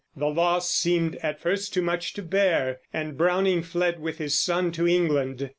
The loss seemed at first too much to bear, and Browning fled with his son to England.